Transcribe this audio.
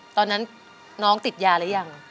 ตอนนั้นน้องติดยาหรือยัง